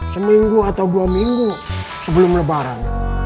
seminggu atau dua minggu sebelum lebaran